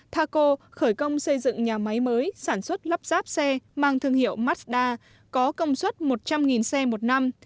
taco khởi công xây dựng nhà máy mới sản xuất lắp ráp xe mang thương hiệu mazda có công suất một trăm linh xe một năm